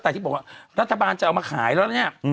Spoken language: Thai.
แต่ที่บอกว่ารัฐบาลจะเอามาขายแล้วเนี่ย